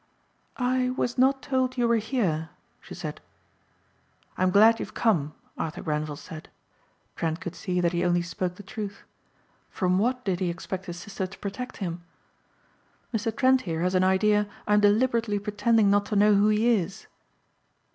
"I was not told you were here," she said. "I'm glad you've come," Arthur Grenvil said. Trent could see that he only spoke the truth. From what did he expect his sister to protect him. "Mr. Trent here has an idea I'm deliberately pretending not to know who he is."